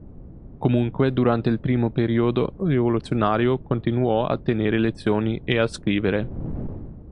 Comunque, durante il primo periodo rivoluzionario continuò a tenere lezioni e a scrivere.